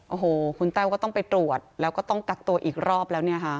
โอ้โหคุณแต้วก็ต้องไปตรวจแล้วก็ต้องกักตัวอีกรอบแล้วเนี่ยค่ะ